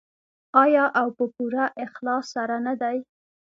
آیا او په پوره اخلاص سره نه دی؟